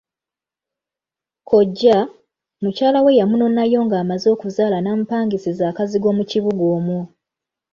Kkojja, mukyala we yamunonayo ng'amaze okuzaala n'amupangisiza akazigo mu kibuga omwo.